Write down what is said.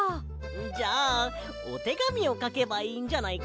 じゃあおてがみをかけばいいんじゃないか？